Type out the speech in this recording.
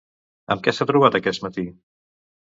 Amb què s'ha trobat aquest matí?